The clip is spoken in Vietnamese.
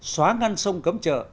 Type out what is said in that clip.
xóa ngăn sông cấm chợ